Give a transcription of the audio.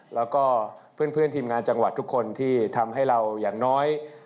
แล้วก็เพื่อนทีมงานจังหวัดทุกคนที่ทำให้เราอย่างน้อย